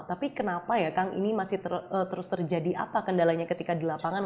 tapi kenapa ya kang ini masih terus terjadi apa kendalanya ketika di lapangan